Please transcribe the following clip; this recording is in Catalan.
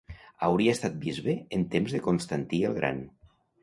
Hauria estat bisbe en temps de Constantí el gran.